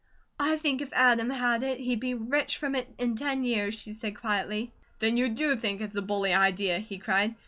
"I think if Adam had it he'd be rich from it in ten years," she said, quietly. "Then you DO think it's a bully idea," he cried.